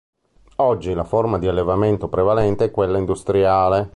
Oggi la forma di allevamento prevalente è quella industriale.